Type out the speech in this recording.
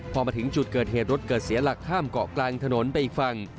พอมาถึงจุดเกิดเหตุรถเกิดเสียหลักข้ามเกาะกลางถนนไปอีกฝั่ง